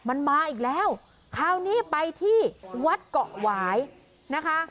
มันมาอีกแล้วคราวนี้ไปที่วัดเกาะหวายนะคะ